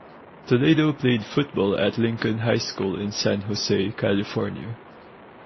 Toledo played football at Lincoln High School in San Jose, California.